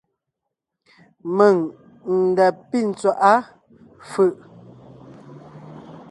Mèŋ n da pí tswaʼá fʉ̀ʼ.